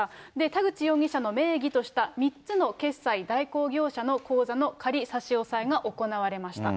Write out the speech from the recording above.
田口容疑者の名義とした３つの決済代行業者の口座の仮差し押さえが行われました。